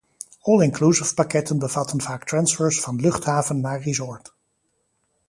All-inclusivepakketten bevatten vaak transfers van luchthaven naar resort.